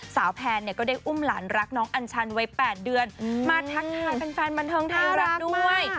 แพนเนี่ยก็ได้อุ้มหลานรักน้องอัญชันวัย๘เดือนมาทักทายแฟนบันเทิงไทยรัฐด้วย